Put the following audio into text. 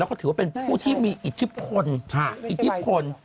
แล้วก็ถือว่าเป็นผู้ที่มีอิทธิพล